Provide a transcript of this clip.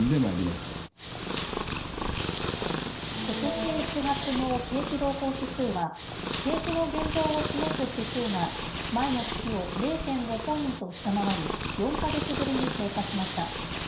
ことし１月の景気動向指数は景気の現状を示す指数が前の月を０．５ポイント下回り４か月ぶりに低下しました。